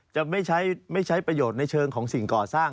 จะไม่ใช้ประโยชน์ในเชิงของสิ่งก่อสร้าง